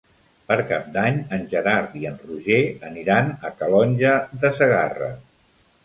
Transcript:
Per Cap d'Any en Gerard i en Roger aniran a Calonge de Segarra.